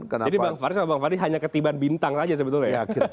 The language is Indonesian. jadi bang fadli sama bang fadli hanya ketiban bintang aja sebetulnya